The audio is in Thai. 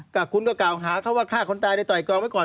ก็คุณก็กล่าวหาเขาว่าฆ่าคนตายโดยต่อยกรองไว้ก่อน